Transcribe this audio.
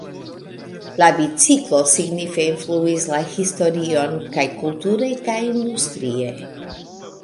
La biciklo signife influis la historion kaj kulture kaj industrie.